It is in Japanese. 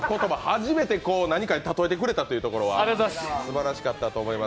初めて言葉に例えてくれたというのはすばらしかったと思います。